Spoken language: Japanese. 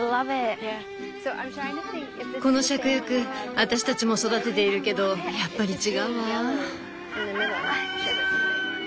このシャクヤク私たちも育てているけどやっぱり違うわ。